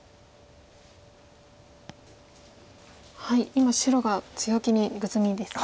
今白が強気にグズミですね。